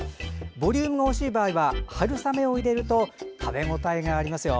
ボリュームが欲しい場合は春雨を入れると食べ応えがありますよ。